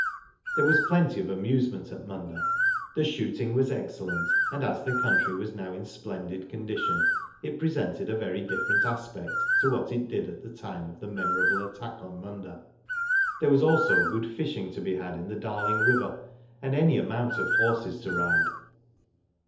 There was plenty of amusement at Munda. The shooting was excellent, and as the country was now in splendid condition, it presented a very different aspect to what it did at the time of the memorable attack on Munda. There was also good fishing to be had in the Darling River, and any amount of horses to ride.